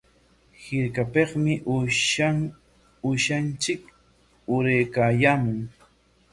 Hirkapikmi uushanchik uraykaayaamun.